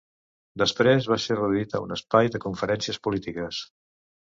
Després va ser reduït a un espai de conferències polítiques.